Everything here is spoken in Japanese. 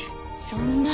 そんな。